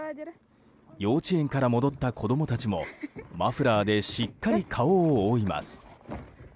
幼稚園から戻った子供たちもマフラーでしっかり顔を覆います。